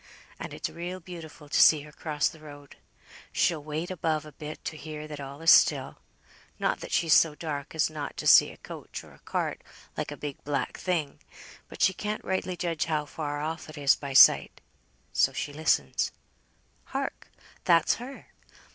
And it's real beautiful to see her cross the road. She'll wait above a bit to hear that all is still; not that she's so dark as not to see a coach or a cart like a big black thing, but she can't rightly judge how far off it is by sight, so she listens. Hark! that's her!"